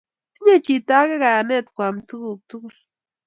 Tinyei chito age kayanet koam tuguk tugul.